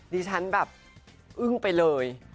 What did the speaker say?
ดิฉันแบบอึ้งไปเลย